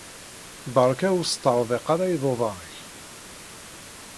Beṛka ur sṭerḍiq ara iḍudan-nnek.